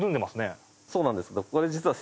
そうなんです。